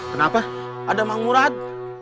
kenapa ada mang murad